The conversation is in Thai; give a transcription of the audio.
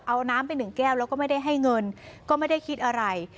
เอาน้ำไปหนึ่งแก้วแล้วก็ไม่ได้ให้เงินก็ไม่ได้คิดอะไร